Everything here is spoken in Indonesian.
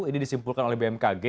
ini disimpulkan oleh bmkg